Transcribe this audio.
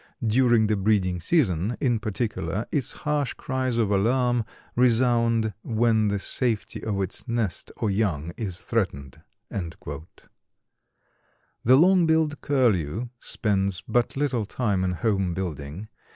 During the breeding season, in particular, its harsh cries of alarm resound when the safety of its nest or young is threatened." The Long billed Curlew spends but little time in home building.